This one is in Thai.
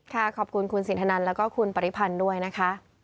ขอบคุณคุณสินทนันแล้วก็คุณปริพันธ์ด้วยนะคะ